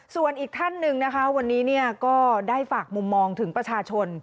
ส่วนอีกท่านหนึ่งนะคะวันนี้ก็ได้ฝากมุมมองถึงประชาชน